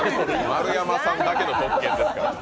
丸山さんだけの特権です。